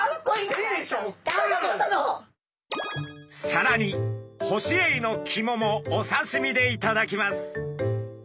さらにホシエイの肝もお刺身でいただきます。